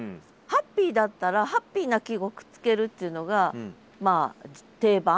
ハッピーだったらハッピーな季語くっつけるっていうのがまあ定番。